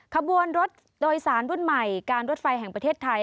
ขบวนรถโดยสารรุ่นใหม่การรถไฟแห่งประเทศไทย